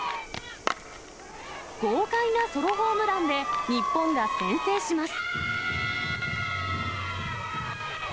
豪快なソロホームランで日本が先制します。